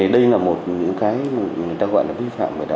đây là một những cái người ta gọi là vi phạm